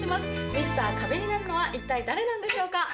ミスター壁になるのは一体誰なんでしょうか？